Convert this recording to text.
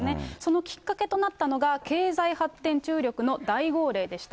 そのきっかけとなったのが、経済発展注力の大号令でした。